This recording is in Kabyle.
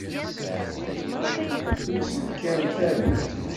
Ur ttnekkaremt ara.